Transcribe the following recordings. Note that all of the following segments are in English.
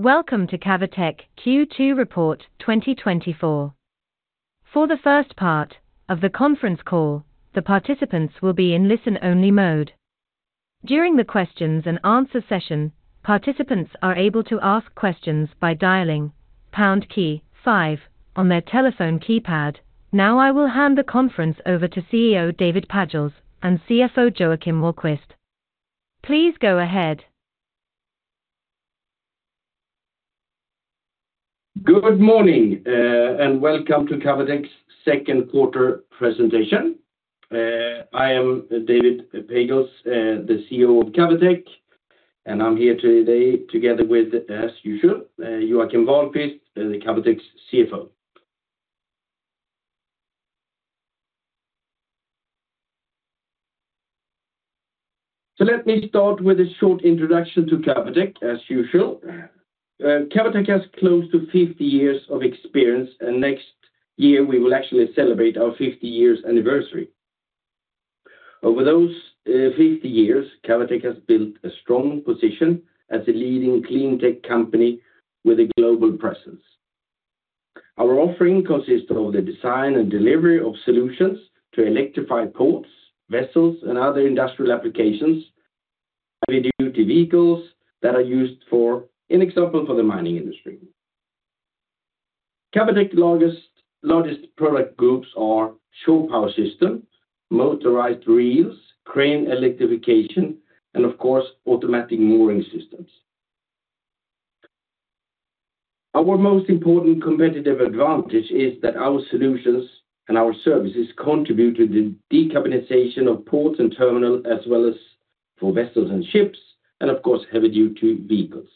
Welcome to Cavotec Q2 Report 2024. For the first part of the conference call, the participants will be in listen-only mode. During the questions and answer session, participants are able to ask questions by dialing pound key five on their telephone keypad. Now, I will hand the conference over to CEO, David Pagels, and CFO, Joakim Wahlquist. Please go ahead. Good morning, and welcome to Cavotec's Second Quarter Presentation. I am David Pagels, the CEO of Cavotec, and I'm here today together with, as usual, Joakim Wahlquist, the Cavotec's CFO. Let me start with a short introduction to Cavotec, as usual. Cavotec has close to 50 years of experience, and next year we will actually celebrate our 50 years anniversary. Over those 50 years, Cavotec has built a strong position as a leading cleantech company with a global presence. Our offering consists of the design and delivery of solutions to electrify ports, vessels, and other industrial applications, heavy-duty vehicles that are used for an example, for the mining industry. Cavotec largest product groups are shore power system, motorized reels, crane electrification, and of course, automatic mooring systems. Our most important competitive advantage is that our solutions and our services contribute to the decarbonization of ports and terminal, as well as for vessels and ships, and of course, heavy-duty vehicles.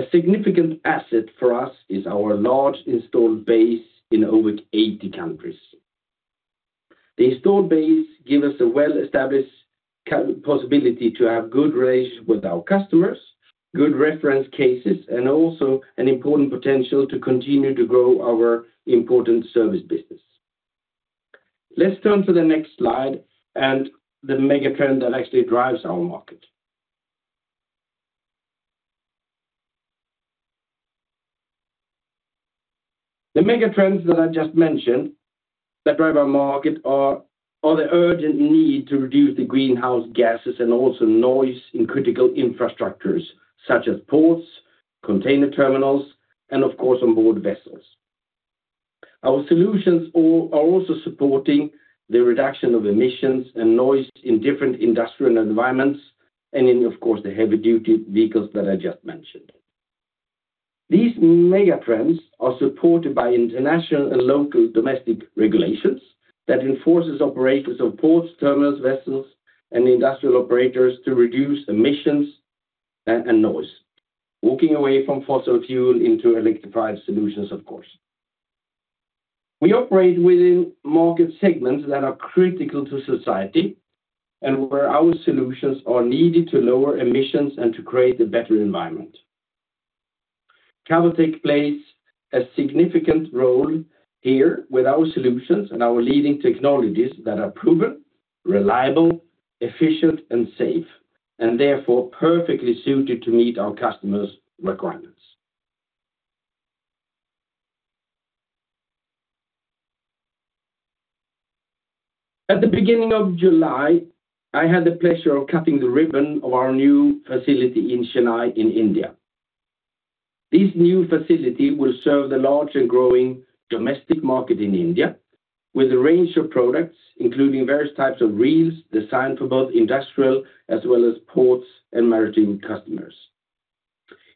A significant asset for us is our large installed base in over 80 countries. The installed base give us a well-established possibility to have good relations with our customers, good reference cases, and also an important potential to continue to grow our important service business. Let's turn to the next slide and the megatrend that actually drives our market. The megatrends that I just mentioned that drive our market are the urgent need to reduce the greenhouse gases and also noise in critical infrastructures such as ports, container terminals, and of course, onboard vessels. Our solutions are also supporting the reduction of emissions and noise in different industrial environments and in, of course, the heavy-duty vehicles that I just mentioned. These megatrends are supported by international and local domestic regulations that enforces operators of ports, terminals, vessels, and industrial operators to reduce emissions and noise, walking away from fossil fuel into electrified solutions, of course. We operate within market segments that are critical to society and where our solutions are needed to lower emissions and to create a better environment. Cavotec plays a significant role here with our solutions and our leading technologies that are proven, reliable, efficient, and safe, and therefore perfectly suited to meet our customers' requirements. At the beginning of July, I had the pleasure of cutting the ribbon of our new facility in Chennai in India. This new facility will serve the large and growing domestic market in India with a range of products, including various types of reels designed for both industrial as well as Ports and Maritime customers.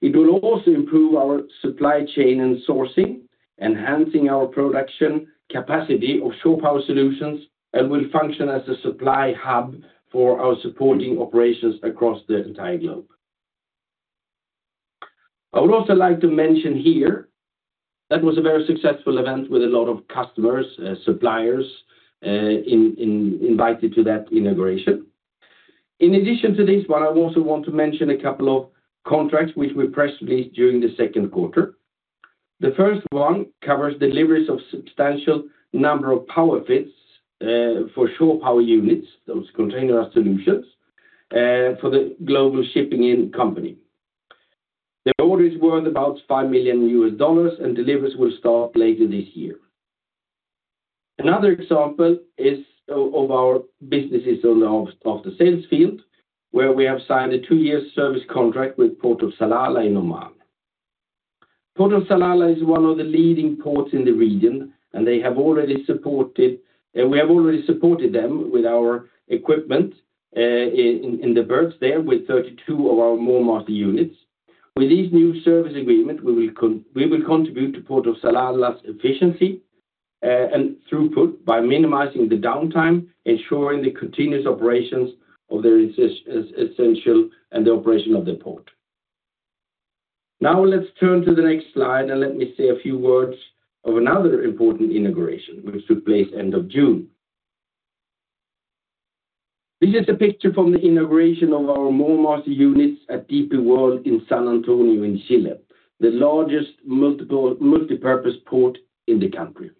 It will also improve our supply chain and sourcing, enhancing our production capacity of shore power solutions, and will function as a supply hub for our supporting operations across the entire globe. I would also like to mention here that was a very successful event with a lot of customers, suppliers invited to that inauguration. In addition to this one, I also want to mention a couple of contracts which we won during the second quarter. The first one covers deliveries of substantial number of PowerFits for shore power units, those container solutions, for the global shipping company. The order is worth about $5 million, and deliveries will start later this year. Another example is of our businesses in the offshore sales field, where we have signed a two-year service contract with Port of Salalah in Oman. Port of Salalah is one of the leading ports in the region, and we have already supported them with our equipment, in the berths there with 32 of our MoorMaster units. With this new service agreement, we will contribute to Port of Salalah's efficiency, and throughput by minimizing the downtime, ensuring the continuous operations of the essential, and the operation of the port. Now, let's turn to the next slide, and let me say a few words of another important integration which took place end of June. This is a picture from the integration of our MoorMaster units at DP World in San Antonio, in Chile, the largest multipurpose port in the country.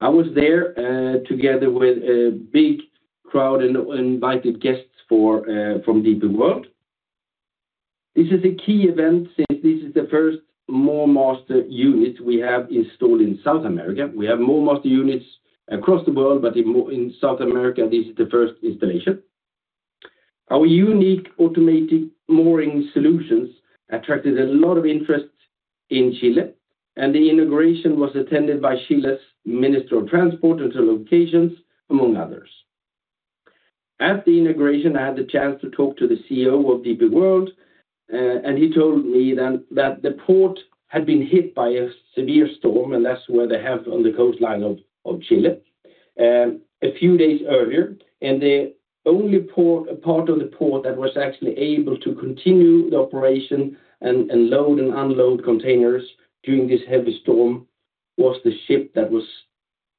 I was there together with a big crowd and invited guests from DP World. This is a key event since this is the first MoorMaster unit we have installed in South America. We have MoorMaster units across the world, but in South America, this is the first installation. Our unique automated mooring solutions attracted a lot of interest in Chile, and the integration was attended by Chile's Minister of Transport and Telecommunications, among others. At the integration, I had the chance to talk to the CEO of DP World, and he told me then that the port had been hit by a severe storm, and that's where they have on the coastline of Chile a few days earlier. The only part of the port that was actually able to continue the operation and load and unload containers during this heavy storm was the ship that was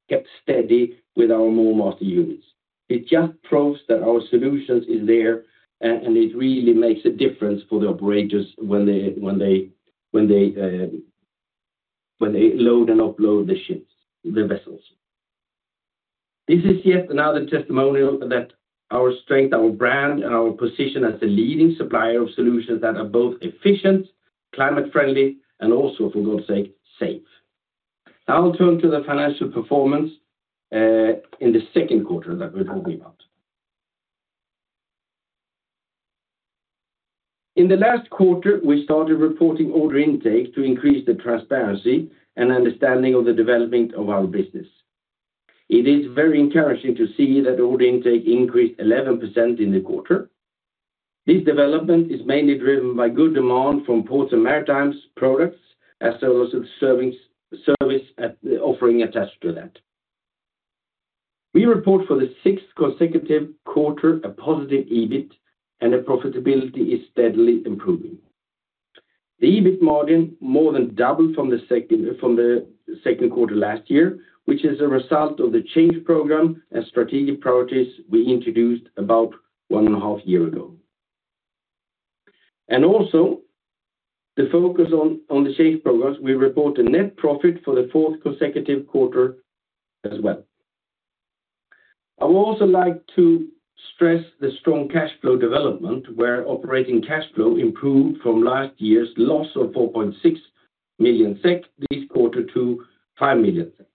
kept steady with our MoorMaster units. It just proves that our solutions is there, and it really makes a difference for the operators when they load and unload the ships, the vessels. This is yet another testimonial that our strength, our brand, and our position as the leading supplier of solutions that are both efficient, climate friendly, and also, for God's sake, safe. Now I'll turn to the financial performance in the second quarter that we're talking about. In the last quarter, we started reporting order intake to increase the transparency and understanding of the development of our business. It is very encouraging to see that order intake increased 11% in the quarter. This development is mainly driven by good demand from Ports and Maritime products, as well as the service and the offering attached to that. We report for the sixth consecutive quarter, a positive EBIT, and the profitability is steadily improving. The EBIT margin more than doubled from the second, from the second quarter last year, which is a result of the change program and strategic priorities we introduced about one and a half year ago. And also, the focus on, on the Shape programs, we report a net profit for the fourth consecutive quarter as well. I would also like to stress the strong cash flow development, where operating cash flow improved from last year's loss of 4.6 million SEK this quarter to 5 million SEK.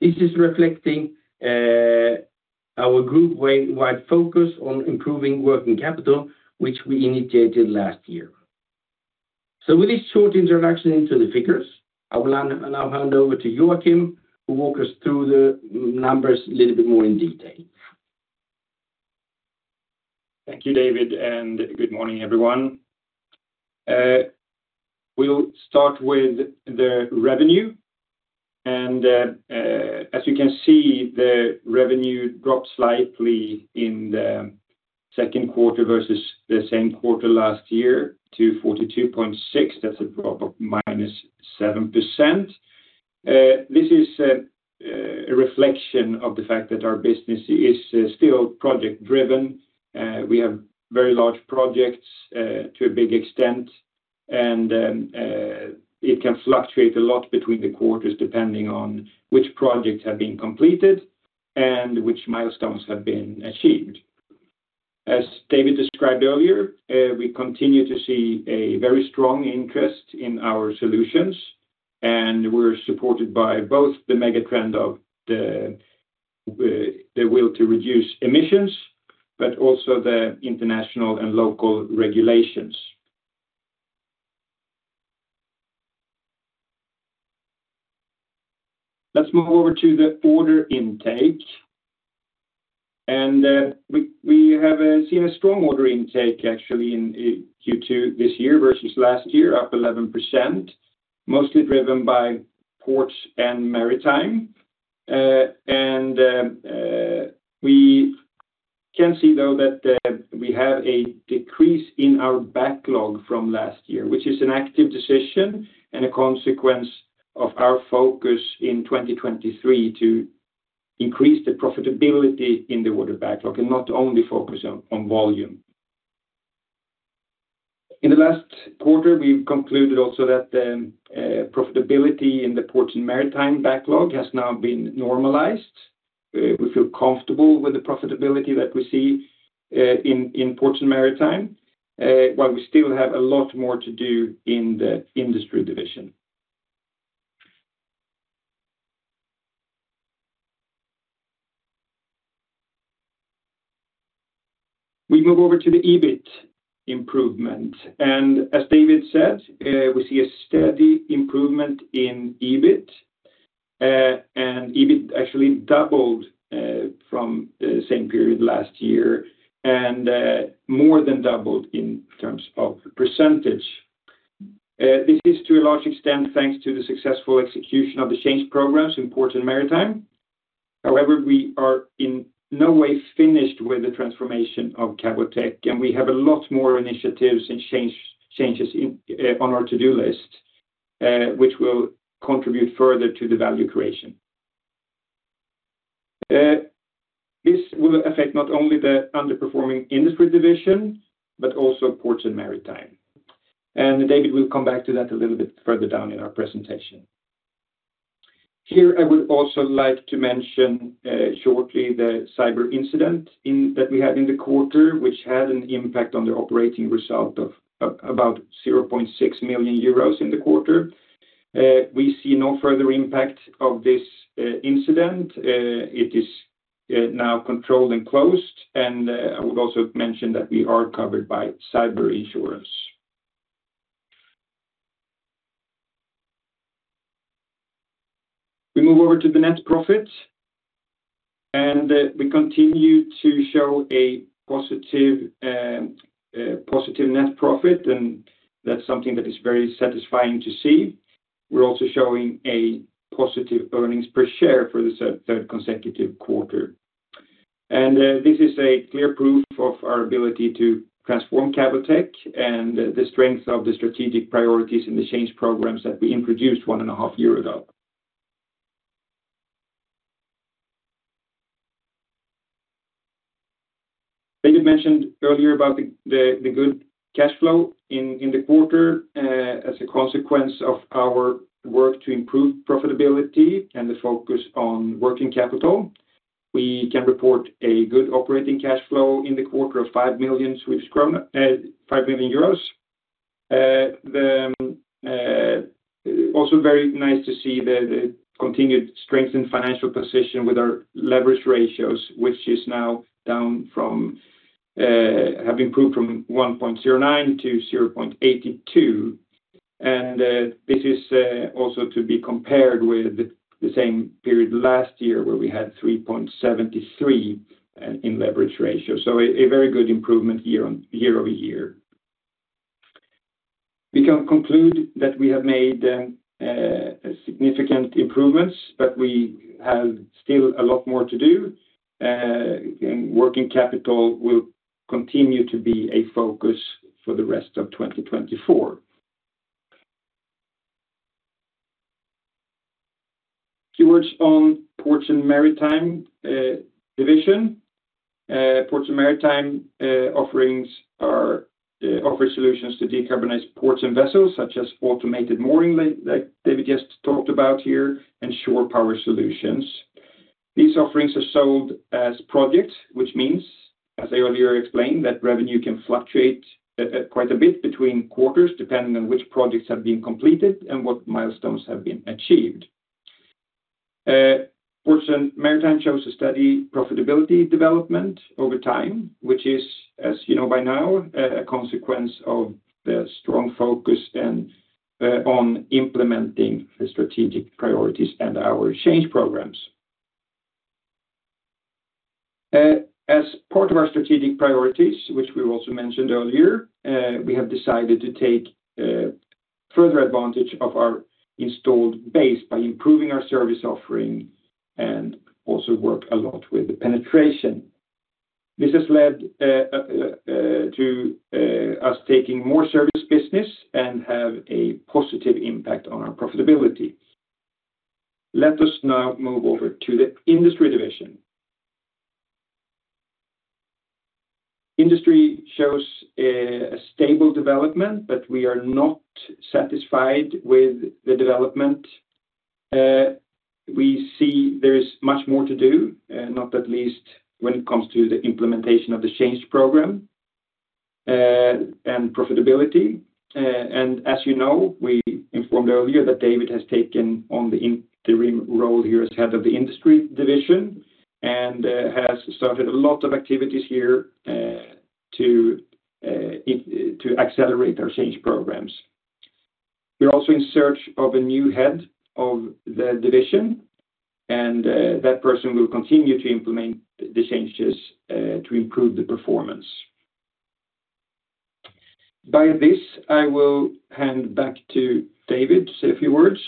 This is reflecting our group-wide focus on improving working capital, which we initiated last year. So with this short introduction into the figures, I will now hand over to Joakim, who walk us through the numbers a little bit more in detail. Thank you, David, and good morning, everyone. We'll start with the revenue, and as you can see, the revenue dropped slightly in the second quarter versus the same quarter last year to 42.6 million. That's a drop of -7%. This is a reflection of the fact that our business is still project-driven. We have very large projects to a big extent, and it can fluctuate a lot between the quarters, depending on which projects have been completed and which milestones have been achieved. As David described earlier, we continue to see a very strong interest in our solutions, and we're supported by both the megatrend of the will to reduce emissions, but also the international and local regulations. Let's move over to the order intake. We have seen a strong order intake, actually, in Q2 this year versus last year, up 11%, mostly driven by Ports and Maritime. We can see, though, that we have a decrease in our backlog from last year, which is an active decision and a consequence of our focus in 2023 to increase the profitability in the order backlog and not only focus on volume. In the last quarter, we've concluded also that profitability in the Ports and Maritime backlog has now been normalized. We feel comfortable with the profitability that we see in Ports and Maritime, while we still have a lot more to do in the Industry division. We move over to the EBIT improvement. And as David said, we see a steady improvement in EBIT, and EBIT actually doubled from the same period last year, and more than doubled in terms of percentage. This is to a large extent thanks to the successful execution of the change programs in Ports and Maritime. However, we are in no way finished with the transformation of Cavotec, and we have a lot more initiatives and change, changes in on our to-do list, which will contribute further to the value creation. This will affect not only the underperforming Industry division, but also Ports and Maritime. And David will come back to that a little bit further down in our presentation. Here, I would also like to mention shortly the cyber incident in that we had in the quarter, which had an impact on the operating result of about 0.6 million euros in the quarter. We see no further impact of this incident. It is now controlled and closed, and I would also mention that we are covered by cyber insurance. We move over to the net profit, and we continue to show a positive net profit, and that's something that is very satisfying to see. We're also showing a positive earnings per share for the third consecutive quarter. This is a clear proof of our ability to transform Cavotec and the strength of the strategic priorities and the change programs that we introduced one and a half year ago. David mentioned earlier about the good cash flow in the quarter as a consequence of our work to improve profitability and the focus on working capital. We can report a good operating cash flow in the quarter of SEK 5 million, EUR 5 million. Also very nice to see the continued strength and financial position with our leverage ratios, which have improved from 1.09-0.82. This is also to be compared with the same period last year, where we had 3.73 in leverage ratio. A very good improvement year-over-year. We can conclude that we have made significant improvements, but we have still a lot more to do. Working capital will continue to be a focus for the rest of 2024. A few words on Ports and Maritime division. Ports and Maritime offerings offer solutions to decarbonize ports and vessels, such as automated mooring that David just talked about here, and shore power solutions. These offerings are sold as projects, which means, as I earlier explained, that revenue can fluctuate quite a bit between quarters, depending on which projects have been completed and what milestones have been achieved. Ports and Maritime shows a steady profitability development over time, which is, as you know by now, a consequence of the strong focus and on implementing the strategic priorities and our change programs. As part of our strategic priorities, which we also mentioned earlier, we have decided to take further advantage of our installed base by improving our service offering and also work a lot with the penetration. This has led to us taking more service business and have a positive impact on our profitability. Let us now move over to the Industry division. Industry shows a stable development, but we are not satisfied with the development. We see there is much more to do, not least when it comes to the implementation of the change program, and profitability. And as you know, we informed earlier that David has taken on the interim role here as head of the Industry division, and has started a lot of activities here to accelerate our change programs. We're also in search of a new head of the division, and, that person will continue to implement the changes, to improve the performance. By this, I will hand back to David to say a few words.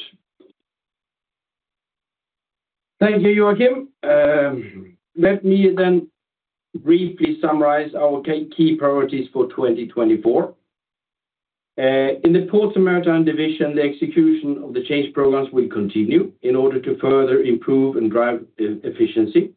Thank you, Joakim. Let me then briefly summarize our key priorities for 2024. In the Ports and Maritime division, the execution of the change programs will continue in order to further improve and drive efficiency.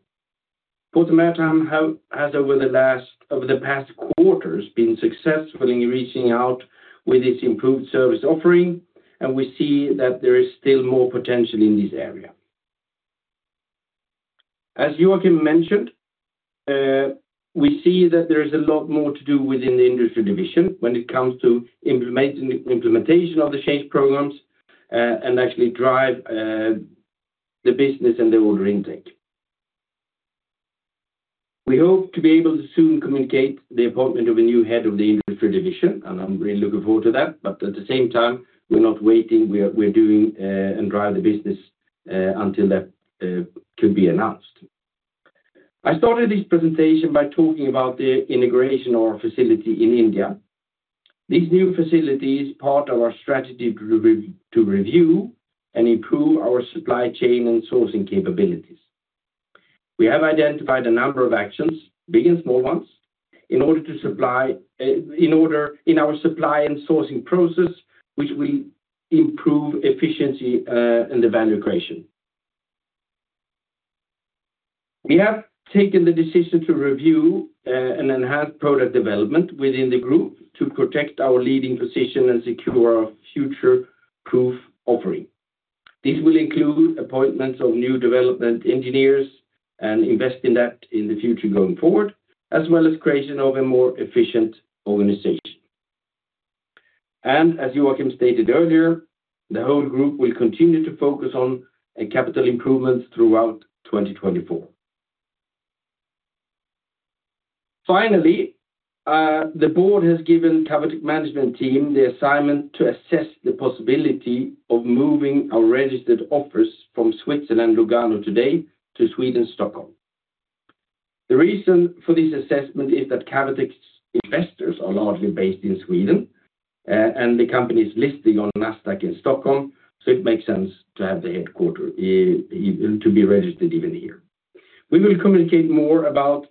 Ports and Maritime has over the past quarters been successful in reaching out with its improved service offering, and we see that there is still more potential in this area. As Joakim mentioned, we see that there is a lot more to do within the Industry division when it comes to implementation of the change programs, and actually drive the business and the order intake. We hope to be able to soon communicate the appointment of a new head of the Industry division, and I'm really looking forward to that. But at the same time, we're not waiting. We are, we're doing, and drive the business, until that can be announced. I started this presentation by talking about the integration of our facility in India. This new facility is part of our strategy to review and improve our supply chain and sourcing capabilities. We have identified a number of actions, big and small ones in order to supply, in order, in our supply and sourcing process, which will improve efficiency, and the value creation. We have taken the decision to review, and enhance product development within the group to protect our leading position and secure our future-proof offering. This will include appointments of new development engineers and invest in that in the future going forward, as well as creation of a more efficient organization. As Joakim stated earlier, the whole group will continue to focus on a capital improvements throughout 2024. Finally, the board has given Cavotec management team the assignment to assess the possibility of moving our registered office from Switzerland, Lugano today to Sweden, Stockholm. The reason for this assessment is that Cavotec's investors are largely based in Sweden, and the company is listing on Nasdaq in Stockholm, so it makes sense to have the headquarters to be registered even here. We will communicate more about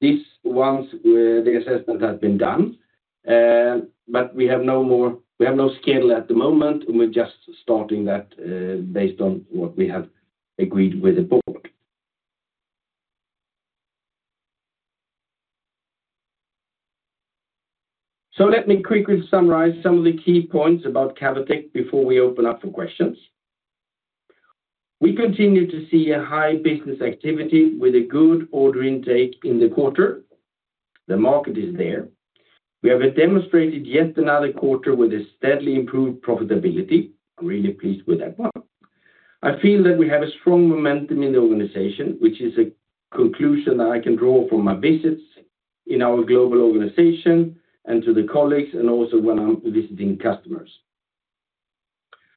this once the assessment has been done, but we have no schedule at the moment, and we're just starting that, based on what we have agreed with the board. So let me quickly summarize some of the key points about Cavotec before we open up for questions. We continue to see a high business activity with a good order intake in the quarter. The market is there. We have demonstrated yet another quarter with a steadily improved profitability. I'm really pleased with that one. I feel that we have a strong momentum in the organization, which is a conclusion that I can draw from my visits in our global organization and to the colleagues, and also when I'm visiting customers.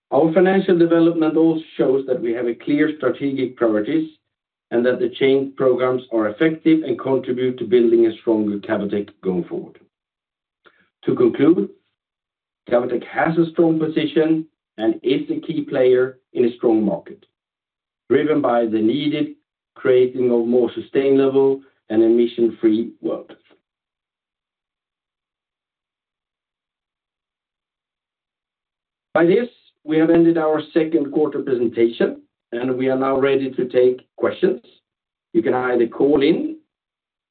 Our financial development also shows that we have a clear strategic priorities, and that the change programs are effective and contribute to building a stronger Cavotec going forward. To conclude, Cavotec has a strong position and is the key player in a strong market, driven by the needed creating a more sustainable and emission-free world. By this, we have ended our second quarter presentation, and we are now ready to take questions. You can either call in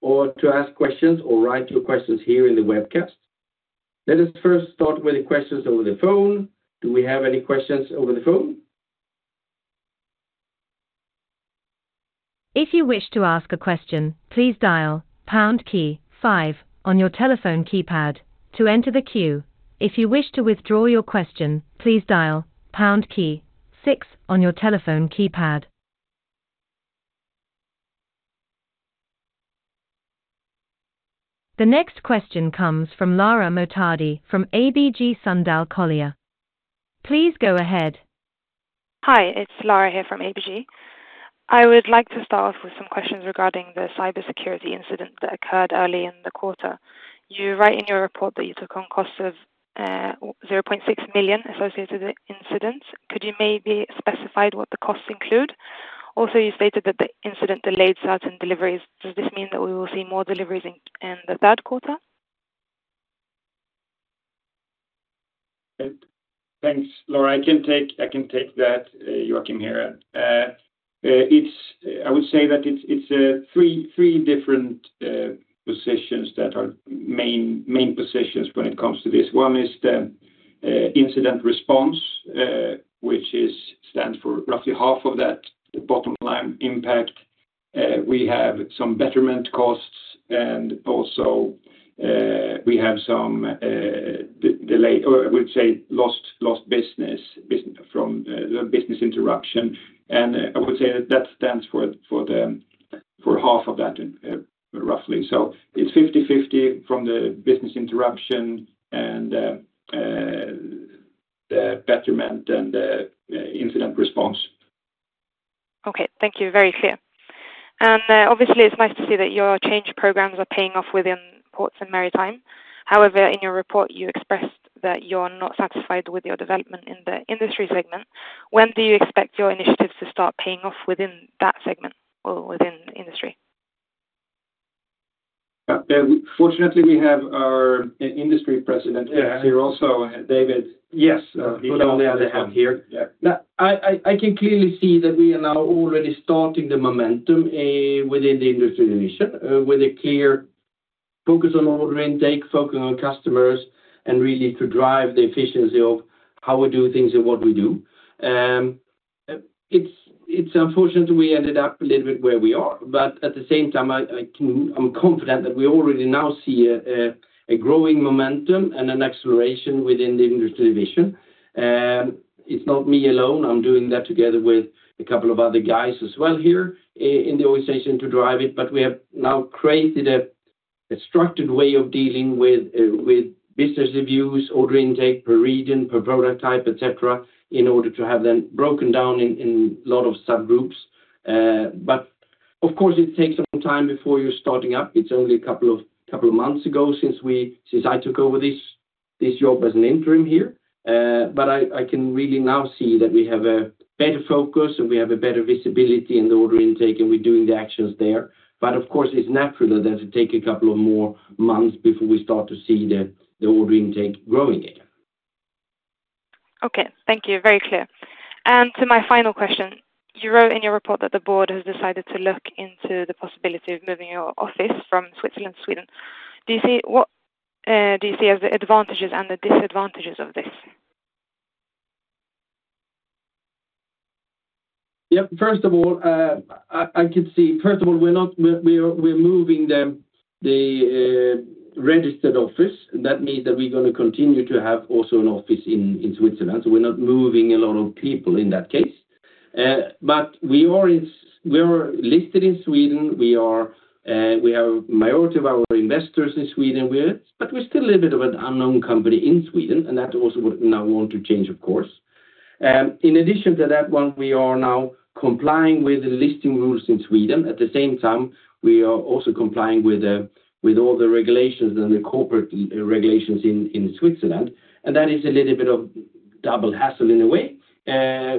to ask questions or write your questions here in the webcast. Let us first start with the questions over the phone. Do we have any questions over the phone? If you wish to ask a question, please dial pound key five on your telephone keypad to enter the queue. If you wish to withdraw your question, please dial pound key six on your telephone keypad. The next question comes from Lara Mohtadi, from ABG Sundal Collier. Please go ahead. Hi, it's Lara here from ABG. I would like to start off with some questions regarding the cybersecurity incident that occurred early in the quarter. You write in your report that you took on costs of 0.6 million associated with the incident. Could you maybe specify what the costs include? Also, you stated that the incident delayed certain deliveries. Does this mean that we will see more deliveries in the third quarter? Thanks, Lara. I can take that, Joakim here. It's -- I would say that it's three different positions that are main positions when it comes to this. One is the incident response, which stands for roughly half of that, the bottom line impact. We have some betterment costs, and also, we have some delay, or I would say lost business from business interruption. And I would say that that stands for half of that, roughly. So it's 50/50 from the business interruption and the betterment and the incident response. Okay, thank you. Very clear. Obviously, it's nice to see that your change programs are paying off within Ports and Maritime. However, in your report, you expressed that you're not satisfied with your development in the Industry segment. When do you expect your initiatives to start paying off within that segment or within the Industry? Fortunately, we have our Industry president- Yeah. Here also. David? Yes. the other one. Here. Yeah. Now, I can clearly see that we are now already starting the momentum within the Industry division with a clear focus on order intake, focus on customers, and really to drive the efficiency of how we do things and what we do. It's unfortunate we ended up a little bit where we are, but at the same time, I can. I'm confident that we already now see a growing momentum and an acceleration within the Industry division. It's not me alone. I'm doing that together with a couple of other guys as well here in the organization to drive it, but we have now created a structured way of dealing with business reviews, order intake per region, per product type, et cetera, in order to have them broken down in a lot of subgroups. But of course, it takes some time before you're starting up. It's only a couple of months ago since I took over this job as an interim here. But I can really now see that we have a better focus, and we have a better visibility in the order intake, and we're doing the actions there. But of course, it's natural that it take a couple of more months before we start to see the order intake growing again. Okay, thank you. Very clear. And to my final question, you wrote in your report that the board has decided to look into the possibility of moving your office from Switzerland to Sweden. What do you see as the advantages and the disadvantages of this? Yep. First of all, we're not moving the registered office, and that means that we're gonna continue to have also an office in Switzerland, so we're not moving a lot of people in that case. But we are listed in Sweden. We have a majority of our investors in Sweden, but we're still a little bit of an unknown company in Sweden, and that also would now want to change, of course. In addition to that one, we are now complying with the listing rules in Sweden. At the same time, we are also complying with all the regulations and the corporate regulations in Switzerland, and that is a little bit of double hassle in a way.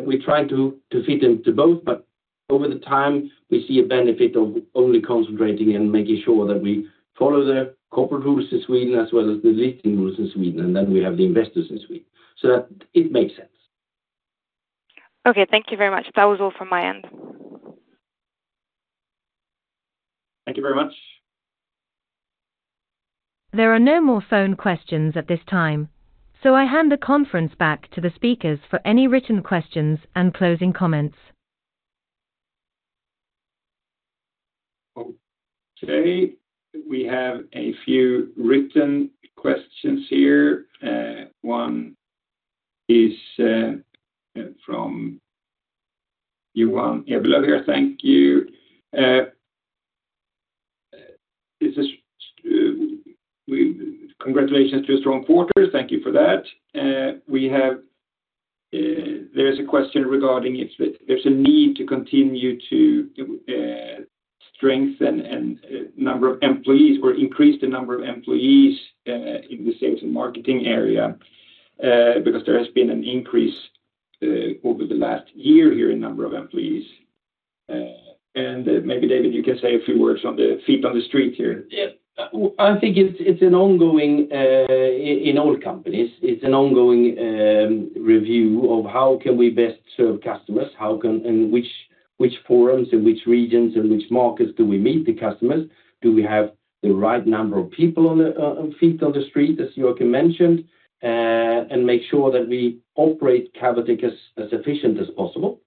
We try to fit into both, but over time, we see a benefit of only concentrating and making sure that we follow the corporate rules in Sweden, as well as the listing rules in Sweden, and then we have the investors in Sweden, so that it makes sense. Okay, thank you very much. That was all from my end. Thank you very much. There are no more phone questions at this time, so I hand the conference back to the speakers for any written questions and closing comments. Okay. We have a few written questions here. One is from [Johan Ebelo] here. Thank you. This is congratulations to a strong quarter. Thank you for that. We have there is a question regarding if there's a need to continue to strengthen and number of employees or increase the number of employees in the sales and marketing area because there has been an increase over the last year here in number of employees. And maybe, David, you can say a few words on the feet on the street here. Yeah. I think it's an ongoing review in all companies of how can we best serve customers, how can, and which forums and which regions, and which markets do we meet the customers? Do we have the right number of people on the feet on the street, as Joakim mentioned, and make sure that we operate Cavotec as efficient as possible.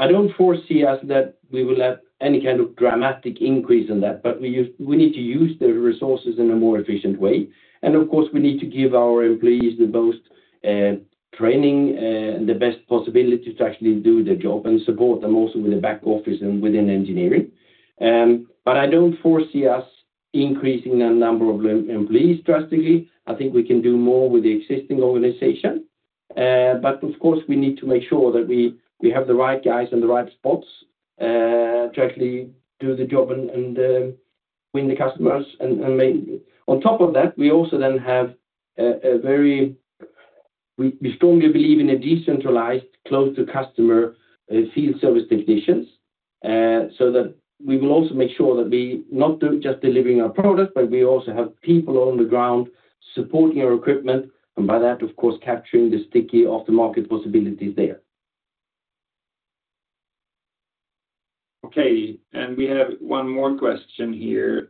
I don't foresee us that we will have any kind of dramatic increase in that, but we need to use the resources in a more efficient way. And, of course, we need to give our employees the best training, and the best possibility to actually do their job and support them also with the back office and within engineering. But I don't foresee us increasing the number of employees drastically. I think we can do more with the existing organization. But of course, we need to make sure that we have the right guys in the right spots to actually do the job and win the customers. On top of that, we also then have a very... We strongly believe in a decentralized, close to customer, field service technicians. So that we will also make sure that we not just delivering our product, but we also have people on the ground supporting our equipment, and by that, of course, capturing the sticky aftermarket possibilities there. Okay, and we have one more question here.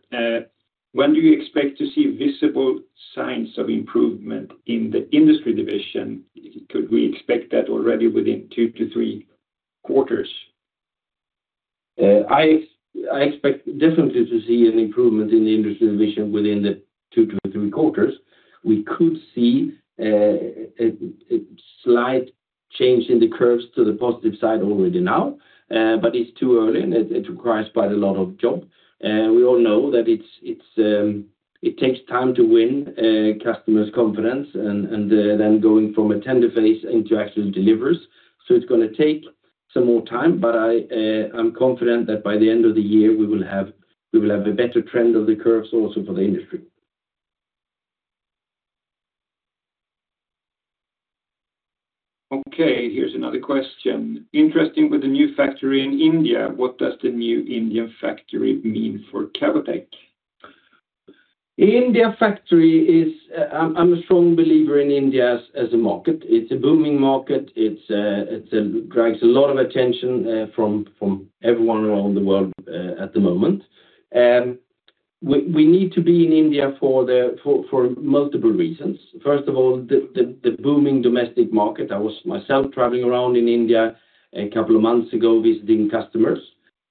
When do you expect to see visible signs of improvement in the Industry division? Could we expect that already within two to three quarters? I expect definitely to see an improvement in the Industry division within the two to three quarters. We could see a slight change in the curves to the positive side already now, but it's too early, and it requires quite a lot of job. We all know that it takes time to win customers' confidence and then going from a tender phase into actual deliveries. So it's gonna take some more time, but I, I'm confident that by the end of the year, we will have, we will have a better trend of the curves also for the industry. Okay, here's another question. Interesting with the new factory in India, what does the new Indian factory mean for Cavotec? India factory is. I'm a strong believer in India as a market. It's a booming market. It draws a lot of attention from everyone around the world at the moment. We need to be in India for multiple reasons. First of all, the booming domestic market. I was myself traveling around in India a couple of months ago, visiting customers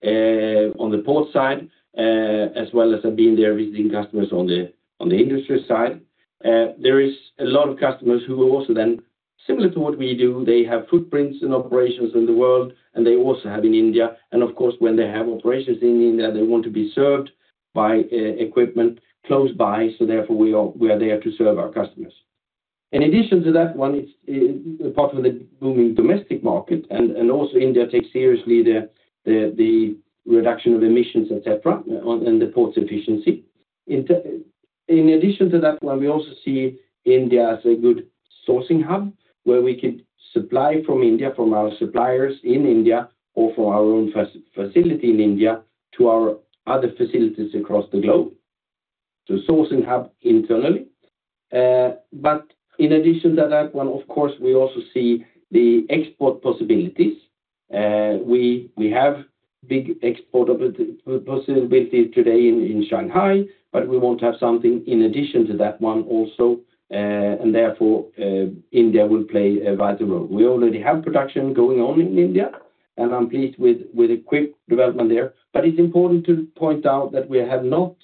on the port side, as well as I've been there visiting customers on the Industry side. There is a lot of customers who are also then similar to what we do. They have footprints and operations in the world, and they also have in India. And of course, when they have operations in India, they want to be served by equipment close by. So therefore, we are there to serve our customers. In addition to that one, it's apart from the booming domestic market, and also India takes seriously the reduction of emissions, et cetera, and the port's efficiency. In addition to that one, we also see India as a good sourcing hub, where we could supply from India, from our suppliers in India or from our own facility in India, to our other facilities across the globe, to sourcing hub internally. But in addition to that one, of course, we also see the export possibilities. We have big export possibility today in Shanghai, but we want to have something in addition to that one also, and therefore, India will play a vital role. We already have production going on in India, and I'm pleased with the quick development there. But it's important to point out that we have not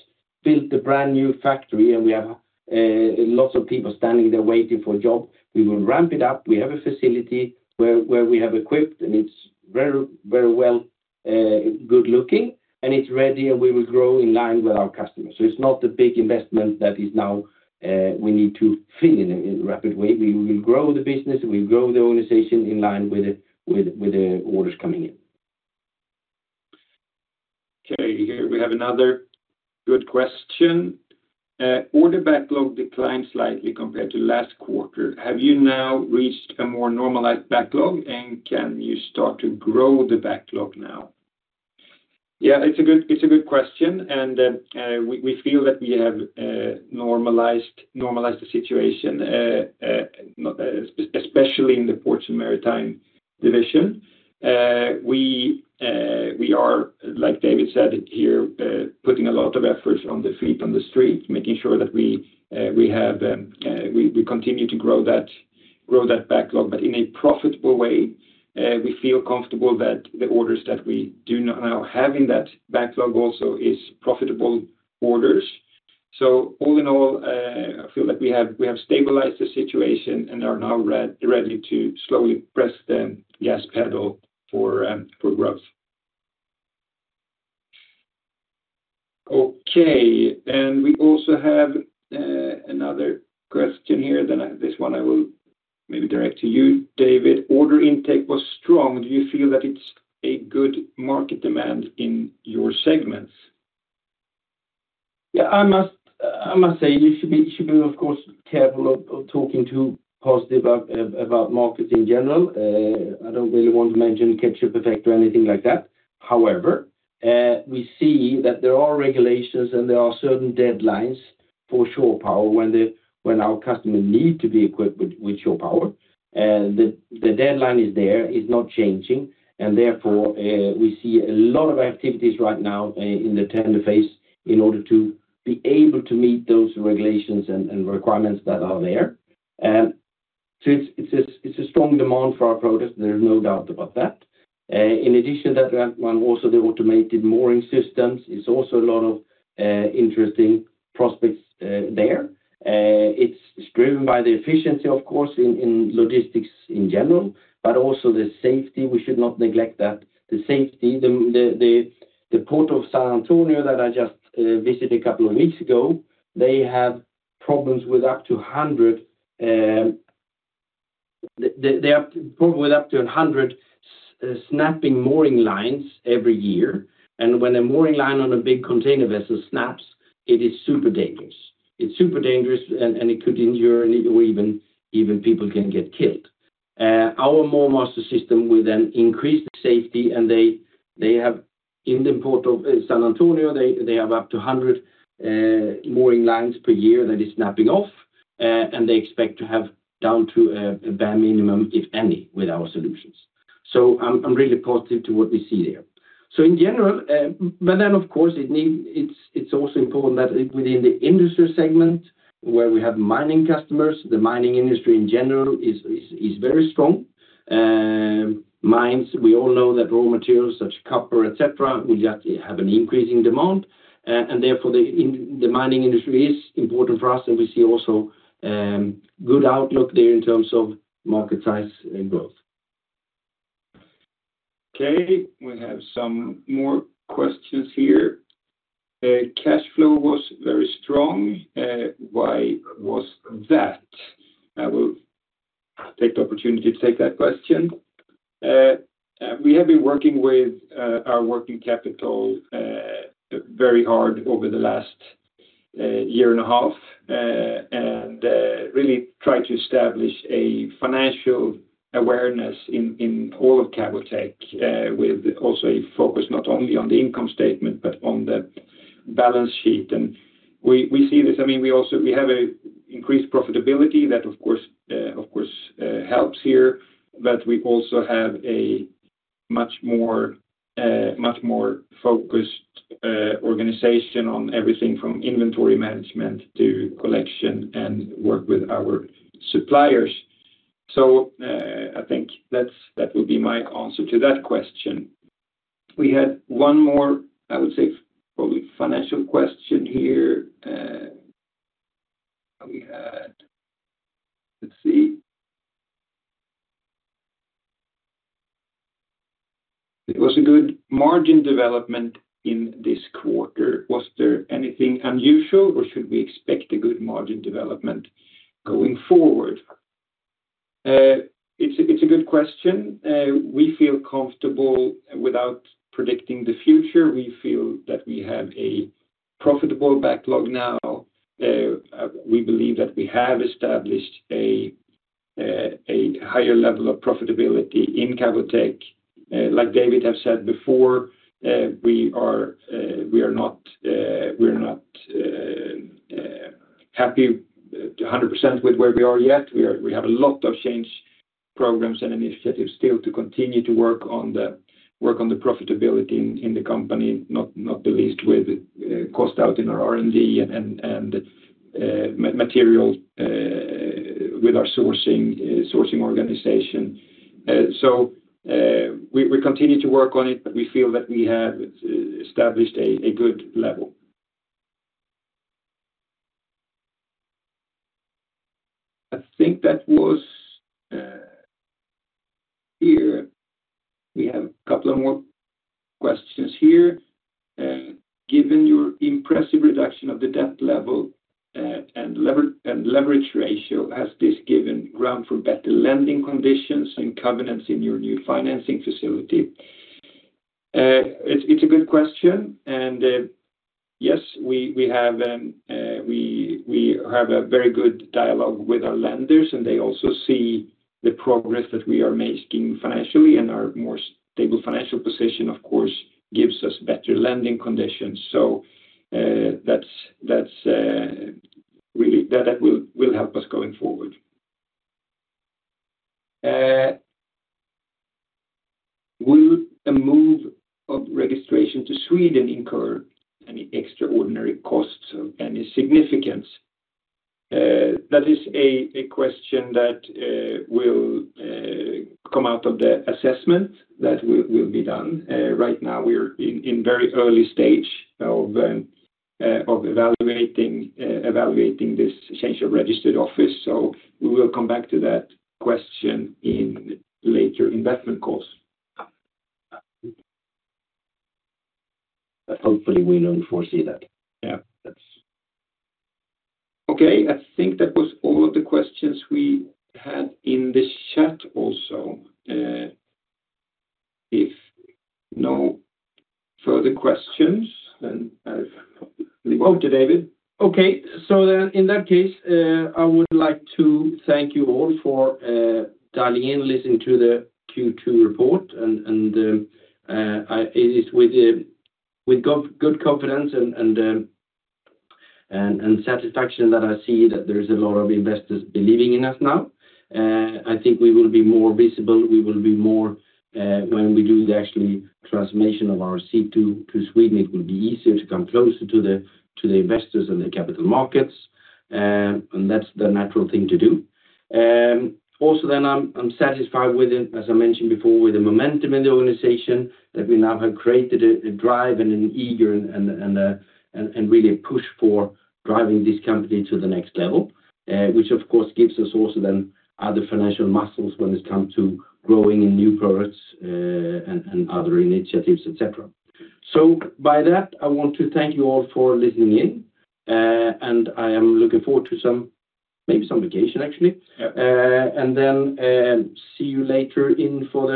built a brand-new factory, and we have lots of people standing there waiting for a job. We will ramp it up. We have a facility where we have equipped, and it's very, very well good looking, and it's ready, and we will grow in line with our customers. So it's not a big investment that is now we need to fill in rapid way. We will grow the business, and we grow the organization in line with the orders coming in. Okay, here we have another good question. Order backlog declined slightly compared to last quarter. Have you now reached a more normalized backlog, and can you start to grow the backlog now? Yeah, it's a good, it's a good question, and we feel that we have normalized the situation, especially in the Ports and Maritime division. We are, like David said here, putting a lot of efforts on the feet on the street, making sure that we continue to grow that backlog, but in a profitable way. We feel comfortable that the orders that we now have in that backlog also is profitable orders. So all in all, I feel like we have stabilized the situation and are now ready to slowly press the gas pedal for growth. Okay, and we also have another question here, then this one I will maybe direct to you, David. Order intake was strong. Do you feel that it's a good market demand in your segments? Yeah, I must say, you should be, of course, careful of talking too positive about markets in general. I don't really want to mention ketchup effect or anything like that. However, we see that there are regulations, and there are certain deadlines for shore power when our customers need to be equipped with shore power. The deadline is there, it's not changing, and therefore, we see a lot of activities right now in the tender phase, in order to be able to meet those regulations and requirements that are there. And so it's a strong demand for our products, there's no doubt about that. In addition to that one, also the automated mooring systems, it's also a lot of interesting prospects there. It's driven by the efficiency, of course, in logistics in general, but also the safety. We should not neglect that. The safety, the Port of San Antonio that I just visited a couple of weeks ago, they have problems with up to 100. They have problem with up to a 100 snapping mooring lines every year, and when a mooring line on a big container vessel snaps, it is super dangerous. It's super dangerous, and it could injure or even people can get killed. Our MoorMaster system will then increase the safety, and they have in the Port of San Antonio, they have up to 100 mooring lines per year that is snapping off, and they expect to have down to a bare minimum, if any, with our solutions. So I'm really positive to what we see there. So in general, but then, of course, it's also important that within the Industry segment, where we have mining customers, the mining industry, in general, is very strong. Mines, we all know that raw materials such as copper, et cetera, will just have an increasing demand, and therefore, the mining industry is important for us, and we see also good outlook there in terms of market size and growth. Okay, we have some more questions here. Cash flow was very strong. Why was that? I will take the opportunity to take that question. We have been working with our working capital very hard over the last year and a half, and really try to establish a financial awareness in all of Cavotec with also a focus not only on the income statement but on the balance sheet. And we see this. I mean, we also we have a increased profitability that, of course, of course, helps here, but we also have a much more much more focused organization on everything from inventory management to collection and work with our suppliers. So, I think that's, that would be my answer to that question. We had one more, I would say, probably financial question here. We had, let's see. It was a good margin development in this quarter. Was there anything unusual, or should we expect a good margin development going forward? It's a good question. We feel comfortable without predicting the future. We feel that we have a profitable backlog now. We believe that we have established a higher level of profitability in Cavotec. Like David have said before, we are not happy to 100% with where we are yet. We have a lot of change programs and initiatives still to continue to work on the profitability in the company, not the least with cost out in our R&D and material with our sourcing organization. So we continue to work on it, but we feel that we have established a good level. I think that was here. We have a couple of more questions here. Given your impressive reduction of the debt level and leverage ratio, has this given ground for better lending conditions and covenants in your new financing facility? It's a good question, and yes, we have a very good dialogue with our lenders, and they also see the progress that we are making financially, and our more stable financial position, of course, gives us better lending conditions. So, that's really... That will help us going forward. Will the move of registration to Sweden incur any extraordinary costs of any significance? That is a question that will come out of the assessment that will be done. Right now we are in very early stage of evaluating this change of registered office, so we will come back to that question in later investment calls. But hopefully we don't foresee that. Yeah, that's okay, I think that was all of the questions we had in the chat also. If no further questions, then I leave over to David. Okay, so then in that case, I would like to thank you all for dialing in, listening to the Q2 report. It is with good confidence and satisfaction that I see that there is a lot of investors believing in us now. I think we will be more visible, we will be more when we do the actual transformation of our seat to Sweden, it will be easier to come closer to the investors and the capital markets. And that's the natural thing to do. Also, then I'm satisfied with it, as I mentioned before, with the momentum in the organization, that we now have created a drive and an eager and really a push for driving this company to the next level, which of course gives us also then other financial muscles when it come to growing in new products, and other initiatives, et cetera. So by that, I want to thank you all for listening in, and I am looking forward to some, maybe some vacation, actually. Yeah. See you later in for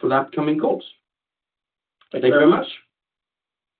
the upcoming calls. Thank you very much.